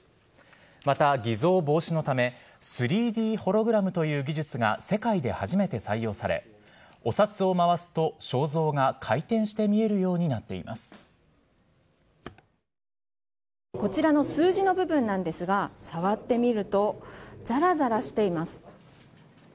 また、偽造防止のため３Ｄホログラムという技術が世界で初めて採用されお札を回すと肖像が回転してこちらの数字の部分なんですが触ってみるとざらざらしています。